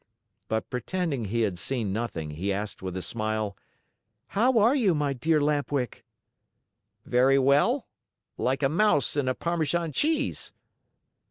But pretending he had seen nothing, he asked with a smile: "How are you, my dear Lamp Wick?" "Very well. Like a mouse in a Parmesan cheese."